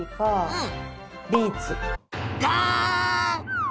うん！